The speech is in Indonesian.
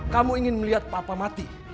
kamu ingin melihat papa mati